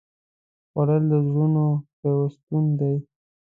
خوړل د زړونو پیوستون دی